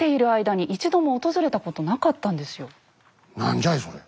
何じゃいそれ。